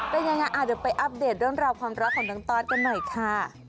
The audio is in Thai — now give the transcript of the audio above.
เป็นยังไงเดี๋ยวไปอัปเดตเรื่องราวความรักของน้องตอสกันหน่อยค่ะ